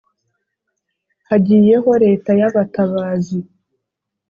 hagiyeho Leta y’abatabazi,